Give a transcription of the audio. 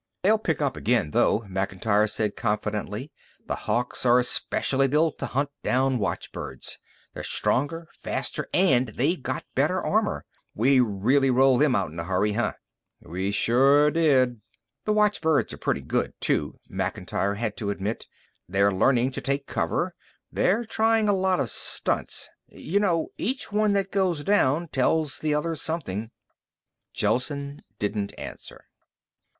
"They'll pick up again, though," Macintyre said confidently. "The Hawks are especially built to hunt down watchbirds. They're stronger, faster, and they've got better armor. We really rolled them out in a hurry, huh?" "We sure did." "The watchbirds are pretty good, too," Macintyre had to admit. "They're learning to take cover. They're trying a lot of stunts. You know, each one that goes down tells the others something." Gelsen didn't answer.